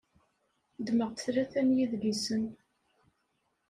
Ddmeɣ-d tlata n yidlisen.